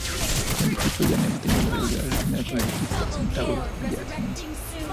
El equipo llanero tenía una rivalidad regional con el equipo Centauros Villavicencio.